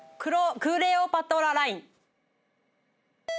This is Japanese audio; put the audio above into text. クレオパトラライン？